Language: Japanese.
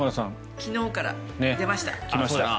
昨日から出ました。